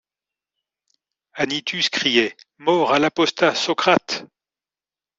Anitus criait: Mort à l’apostat Socrate!